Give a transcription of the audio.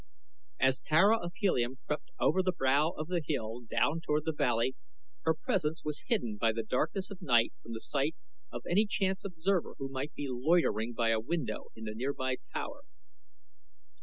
As Tara of Helium crept over the brow of the hill down toward the valley, her presence was hidden by the darkness of the night from the sight of any chance observer who might be loitering by a window in the nearby tower.